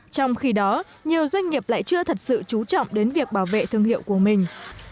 trong khi đó nhiều doanh nghiệp lại chưa thật sự trú trọng đến việc bảo vệ thương hiệu của mình